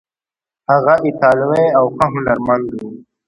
هغه ایټالوی و او ښه هنرمند و.